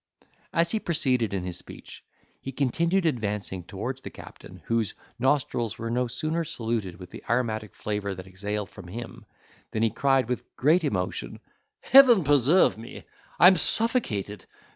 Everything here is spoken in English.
As he proceeded in his speech, he continued advancing towards the captain, whose nostrils were no sooner saluted with the aromatic flavour that exhaled from him, than he cried with great emotion, "Heaven preserve me! I am suffocated!